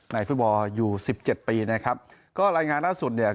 ในฟื้นบอร์อยู่๑๗ปีนะครับก็รายงานล่าสุดเนี่ย